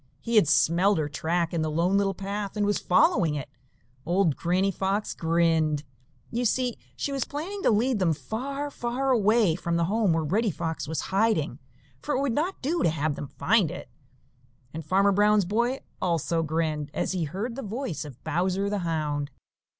He had smelled her track in the Lone Little Path and was following it. Old Granny Fox grinned. You see, she was planning to lead them far, far away from the home where Reddy Fox was hiding, for it would not do to have them find it. And Farmer Brown's boy also grinned, as he heard the voice of Bowser the Hound.